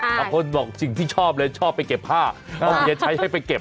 บางคนบอกสิ่งที่ชอบเลยชอบไปเก็บผ้าเอาเมียใช้ให้ไปเก็บ